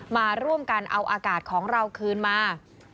มาร่วมกันเอาอากาศของเราคืนมา